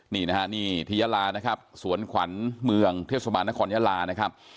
นี่นะฮะนี่ที่ยาลานะครับสวนขวัญเมืองเทศบาลนครยาลานะครับ